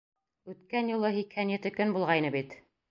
Үткән юлы һикһән ете көн булғайны бит.